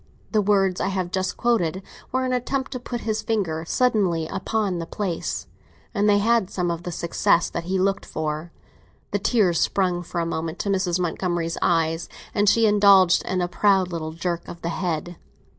The words I have just quoted were an attempt to put his finger suddenly upon the place; and they had some of the success that he looked for. The tears sprang for a moment to Mrs. Montgomery's eyes, and she indulged in a proud little jerk of the head.